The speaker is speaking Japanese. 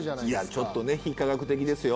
ちょっとね非科学的ですよ。